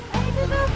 eh itu tuh